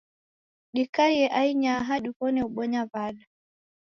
Dikaie ainyaha diw'one ubonya w'ada